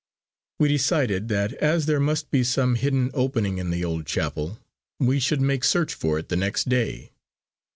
We decided that as there must be some hidden opening in the old chapel, we should make search for it the next day.